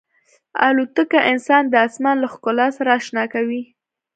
الوتکه انسان د آسمان له ښکلا سره اشنا کوي.